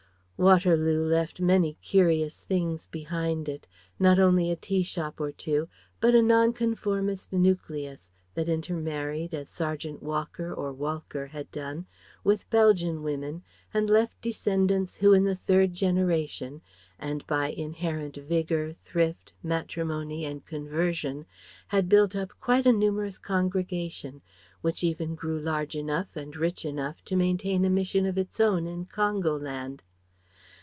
Waterloo left many curious things behind it. Not only a tea shop or two; but a Nonconformist nucleus, that intermarried, as Sergeant Walker or Walcker had done, with Belgian women and left descendants who in the third generation and by inherent vigour, thrift, matrimony and conversion had built up quite a numerous congregation, which even grew large enough and rich enough to maintain a mission of its own in Congoland.